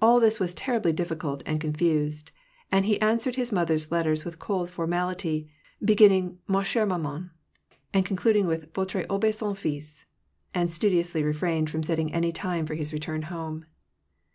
All this was terribly difficult and confused; and he answered his mother's letters with cold formality, beginning, Ma eh^re maman, and concluding with Voire obeissani fiU, and studi ously refrained from setting any time for his return home.